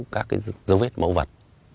các dấu vết mẫu vật